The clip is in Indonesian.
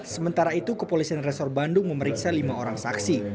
sementara itu kepolisian resor bandung memeriksa lima orang saksi